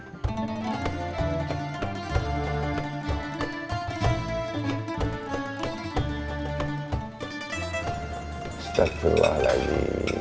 ustadz silah lagi